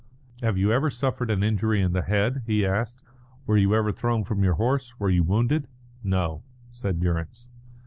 "Have you ever suffered an injury in the head?" he asked. "Were you ever thrown from your horse? Were you wounded?" "No," said Durrance.